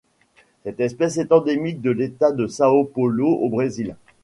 Cette espèce est endémique de l'État de São Paulo au Brésil.